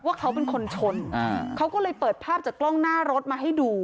ว่าเขาเป็นคนชนเขาก็เลยเปิดภาพจากกล้องหน้ารถมาให้ดู